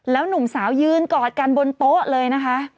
หนุ่มสาวยืนกอดกันบนโต๊ะเลยนะคะ